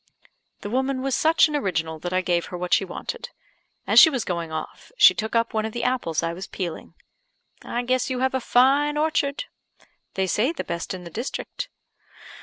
The woman was such an original that I gave her what she wanted. As she was going off, she took up one of the apples I was peeling. "I guess you have a fine orchard?" "They say the best in the district."